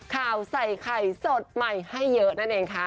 ข่าวใส่ไข่สดใหม่ให้เยอะนั่นเองค่ะ